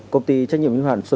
công ty chữa cháy nổ